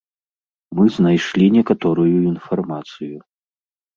Мы знайшлі некаторую інфармацыю.